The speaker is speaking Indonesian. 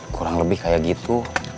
kurang lebih kayak gitu